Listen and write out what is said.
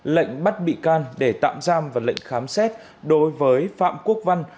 lệnh bắt bị can để tạm giam và lệnh khám xét đối với phạm quốc văn